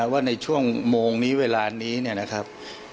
ว่าในช่วงโมงนี้เวลานี้เนี่ยนะครับ